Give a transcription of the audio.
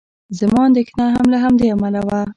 زما اندېښنه هم له همدې امله وه.